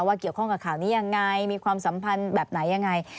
เกี่ยวข้องกับข่าวนี้ยังไงมีความสัมพันธ์แบบไหนยังไง